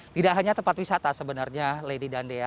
tidak hanya tempat wisata sebenarnya lady dan dea